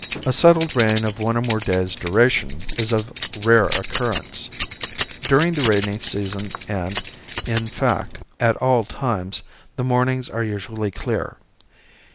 A settled rain of one or more days' duration is of rare occurrence. During the rainy season and, in fact, at all times, the mornings are usually clear.